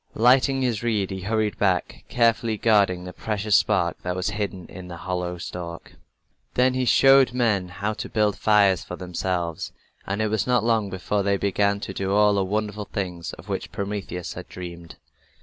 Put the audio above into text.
Lighting his reed, he hurried back, carefully guarding the precious spark that was hidden in the hollow stalk. Then he showed men how to build fires for themselves, and it was not long before they began to do all the wonderful things of which Prometheus had dreamed.